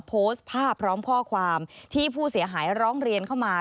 โพสต์ภาพพร้อมข้อความที่ผู้เสียหายร้องเรียนเข้ามา